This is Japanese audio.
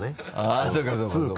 あっそうかそうか。